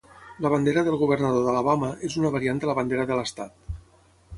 La bandera del governador d'Alabama és una variant de la bandera de l'estat.